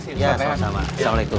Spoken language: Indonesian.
iya sama sama assalamualaikum